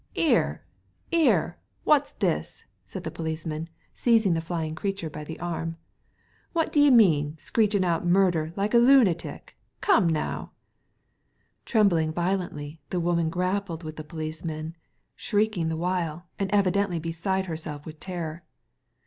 '"'Erel 'ere, wofs this?" said the policeman, seizing the flying creature by the arm. " Wot d'ye mean, screeching out murder like a loonatic ? Come now!" Trembling violently, the woman grappled with the policeman, shrieking the while, and evidently beside herself with terror.